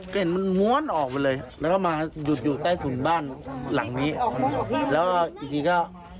กลิ่นมันม้วนออกไปเลยแล้วก็มาหยุดอยู่ใต้ถุนบ้านหลังนี้แล้วอีกทีก็